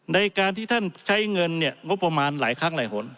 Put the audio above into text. ในการที่ท่านใช้เงินเนี่ยงบประมาณหลายครั้งหลายหน